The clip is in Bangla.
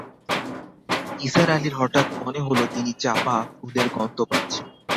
নিসার আলির হঠাৎ মনে হলো, তিনি চাঁপা ফুলের গন্ধ পাচ্ছেন।